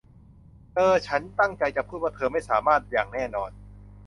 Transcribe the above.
เออ ฉันตั้งใจจะพูดว่าเธอไม่สามารถอย่างแน่นอน